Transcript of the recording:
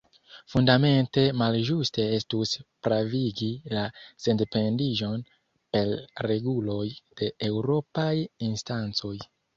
Fundamente malĝuste estus pravigi la sendependiĝon per reguloj de eŭropaj instancoj.